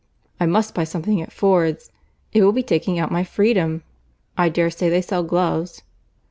I must buy something at Ford's. It will be taking out my freedom.—I dare say they sell gloves."